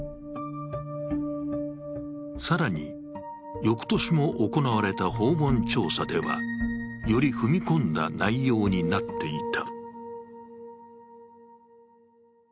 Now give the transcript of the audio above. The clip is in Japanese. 更に、翌年も行われた訪問調査ではより踏み込んだ内容になっていた。